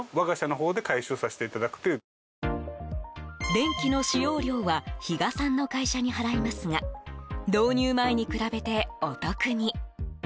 電気の使用料は比嘉さんの会社に払いますが導入前に比べて、お得に。